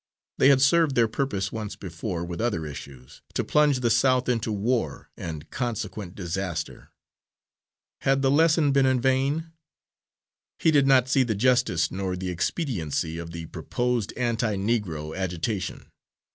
They had served their purpose once before, with other issues, to plunge the South into war and consequent disaster. Had the lesson been in vain? He did not see the justice nor the expediency of the proposed anti Negro agitation.